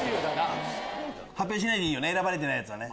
発表しないでいいよね選ばれてないやつはね。